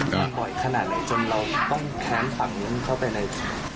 มันบ่อยขนาดไหนจนเราต้องแค้นฝั่งนู้นเข้าไปใน